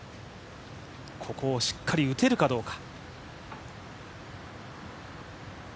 ここをしっかり打てるかどうか。